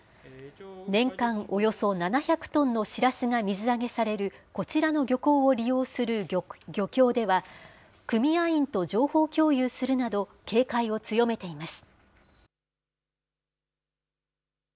年間およそ７００トンのしらすが水揚げされるこちらの漁港を利用する漁協では、組合員と情報共有するなど、警戒を強めています。